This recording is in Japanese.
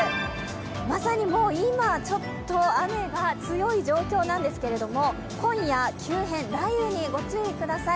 まさにもう今、ちょっと雨が強い状況なんですけれども、今夜、急変、雷雨にご注意ください。